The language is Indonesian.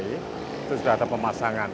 itu sudah ada pemasangan